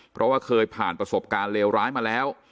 เพราะว่าเคยผ่านประสบการณ์เลวร้ายมาแล้ว